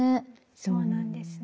そうなんですね。